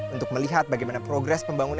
untuk melihat bagaimana progres pembangunan